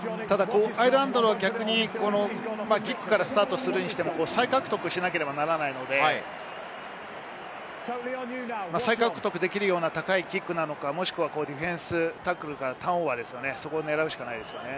アイルランドはキックからスタートするにしても再獲得しなければいけないので、再獲得できるような高いキックなのか、もしくはディフェンス、タックルからターンオーバーを狙うしかないですね。